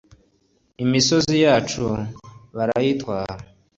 imisozi yacu barayitwara